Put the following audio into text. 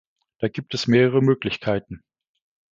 Da gibt es mehrere Möglichkeiten.